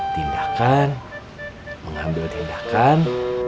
tindakan mengambil tindakan